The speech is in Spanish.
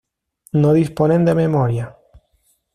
No disponen de memoria.